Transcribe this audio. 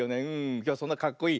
きょうはそんなかっこいい